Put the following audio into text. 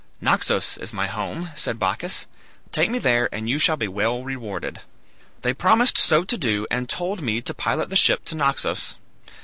'Naxos is my home,' said Bacchus; 'take me there and you shall be well rewarded.' They promised so to do, and told me to pilot the ship to Naxos.